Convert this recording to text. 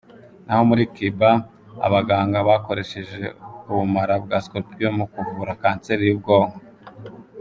Naho muri Cuba, abaganga bakoresheje ubumara bwa scorpion mu kuvura cancer y’ubwonko.